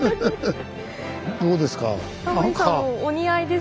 どうですか？